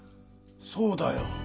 そうだよ。